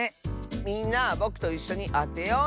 みんなぼくといっしょにあてようね。